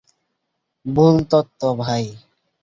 ভুল তথ্য, ভাই।